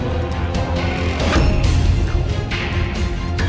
mama punya rencana